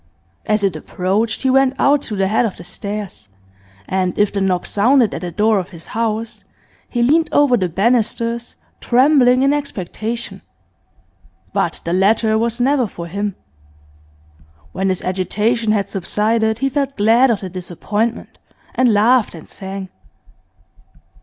As it approached he went out to the head of the stairs, and if the knock sounded at the door of his house, he leaned over the banisters, trembling in expectation. But the letter was never for him. When his agitation had subsided he felt glad of the disappointment, and laughed and sang.